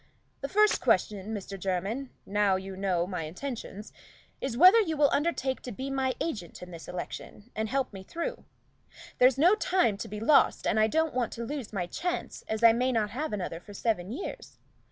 "The first question, Mr. Jermyn, now you know my intentions, is, whether you will undertake to be my agent in this election, and help me through? There's no time to be lost, and I don't want to lose my chance, as I may not have another for seven years.